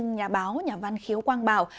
nhà báo nhà văn khiếu quang bảo